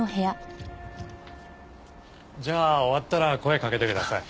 じゃあ終わったら声かけてください。